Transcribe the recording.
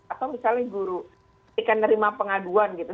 atau misalnya guru ketika nerima pengaduan gitu